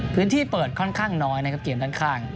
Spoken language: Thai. พื้นที่เปิดค่อนข้างน้อยนะครับเกมด้านข้าง